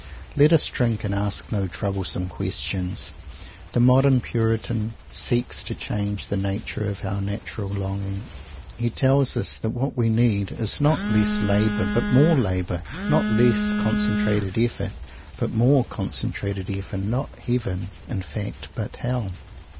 Let us drink, and ask no troublesome questions. The modern puritan seeks to change the nature of our natural longing. He tells us that what we need is not less labor but more labor, not less "concentrated effort," but more "concentrated effort"; not "Heaven," in fact, but "Hell."